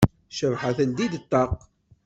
Cabḥa teldi-d ṭṭaq.